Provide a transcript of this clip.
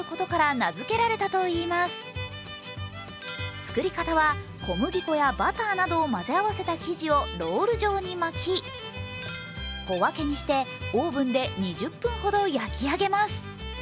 作り方は小麦粉やバターなどを混ぜ合わせた生地をロール状に巻き小分けにしてオーブンで２０分ほど焼き上げます。